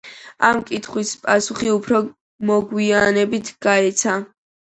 ამ კითხვას პასუხი უფრო მოგვიანებით გაეცა.